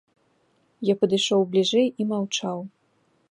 Я падышоў бліжэй і маўчаў.